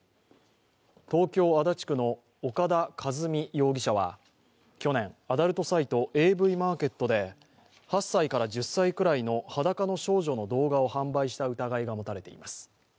東京・足立区の岡田和巳容疑者は去年、アダルトサイトＡＶマーケットで８歳から１０歳くらいの裸の症状の動画を販売した疑いが持たれています。